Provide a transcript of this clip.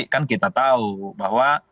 kan kita tahu bahwa